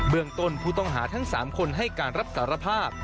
เมืองต้นผู้ต้องหาทั้ง๓คนให้การรับสารภาพ